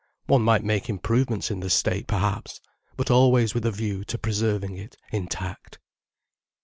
One might make improvements in the state, perhaps, but always with a view to preserving it intact.